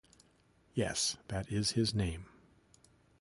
Yes, that is his name.